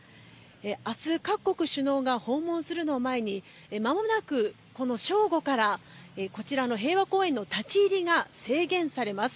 明日、各国首脳が訪問するのを前にまもなくこの正午からこちらの平和公園の立ち入りが制限されます。